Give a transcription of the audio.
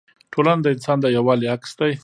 ټولنه د انسان د یووالي عکس دی.